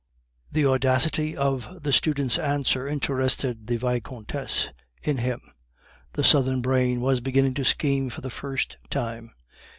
The audacity of the student's answer interested the Vicomtesse in him. The southern brain was beginning to scheme for the first time.